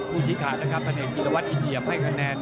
ภูชิขาดนะครับภัณฑ์ธีรวรรษอิเหยียบให้คะแนน